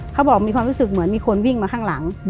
เขาบอกมีความรู้สึกเหมือนมีคนวิ่งมาข้างหลัง